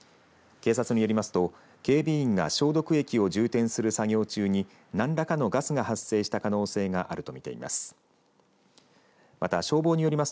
警察によりますと、警備員が消毒液を充てんする作業中に何らかのガスが発生した可能性があるとみています。